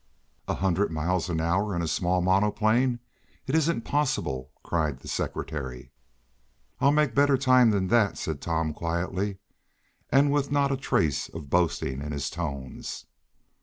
"A hundred miles an hour in a small monoplane! It isn't possible!" cried the secretary. "I'll make better time than that," said Tom quietly, and with not a trace of boasting in his tones.